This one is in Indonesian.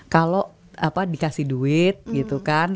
kalau dikasih duit gitu kan